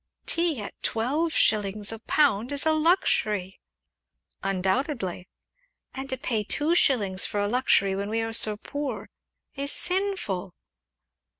"Tea at twelve shillings a pound is a luxury!" "Undoubtedly!" "And to pay two shillings for a luxury when we are so poor is sinful!"